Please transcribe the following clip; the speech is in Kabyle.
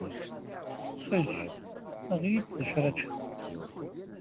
Ttxil-k, aɣ-iyi-d d acu ara ččeɣ.